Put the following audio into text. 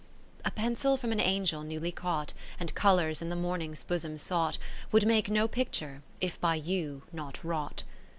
IV A pencil from an Angel newly caught j 10 And colours in the Morning's bosom sought, Would make no picture, if by you not wrought.